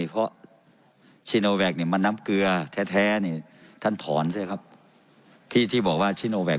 เพราะซินล่มแวคเนี่ยมันน้ำเกลือแท้